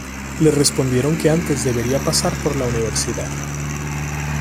Le respondieron que antes debería pasar por la universidad.